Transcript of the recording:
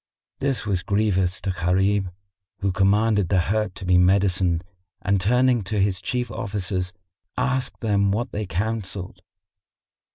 This was grievous to Gharib who commanded the hurt to be medicined and turning to his Chief Officers, asked them what they counselled.